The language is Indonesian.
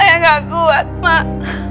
ayah tidak kuat mak